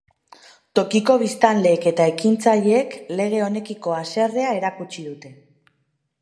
Tokiko biztanleek eta ekintzaileek lege honekiko haserrea erakutsi dute.